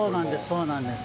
そうなんです。